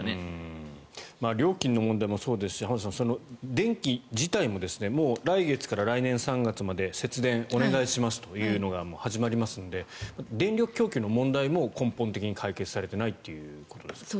料金の問題もそうですし電気自体ももう来月から来年３月まで節電お願いしますというのが始まりますので電力供給の問題も根本的に解決されていないということですね。